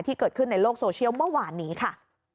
ที่เกิดขึ้นในโลกโซเชียลเมื่อวานนี้ค่ะ